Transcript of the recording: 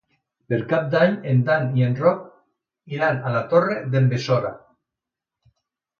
Per Cap d'Any en Dan i en Roc iran a la Torre d'en Besora.